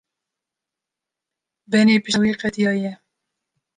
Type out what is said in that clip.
Benê pişta wî qetiyaye.